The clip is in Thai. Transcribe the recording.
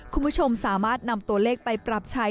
คุณผู้ชมสามารถนำตัวเลขไปปรับใช้